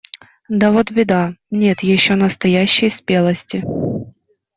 Да вот беда: нет еще настоящей спелости.